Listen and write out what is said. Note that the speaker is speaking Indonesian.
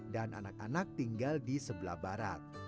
dan anak anak tinggal di sebelah barat